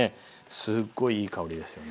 すっごいいい香りですよね。